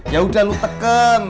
yaudah lo teken